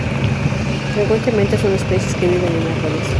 Frecuentemente son especies que viven en árboles.